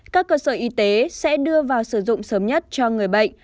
các cơ sở y tế sẽ đưa vào sử dụng sớm nhất cho người bệnh